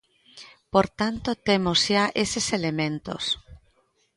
Por tanto, temos xa eses elementos.